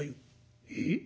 「えっ！？